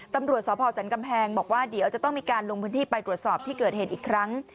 ตำรวจสพสันกำแพงบอกว่าเดี๋ยวจะต้องมีการลงพื้นที่ไปตรวจสอบที่เกิดเหตุอีกครั้ง